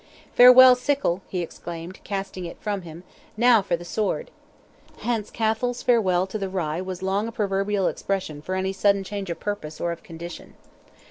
"Farewell sickle," he exclaimed, casting it from him—"now for the sword." Hence "Cathal's farewell to the rye" was long a proverbial expression for any sudden change of purpose or of condition.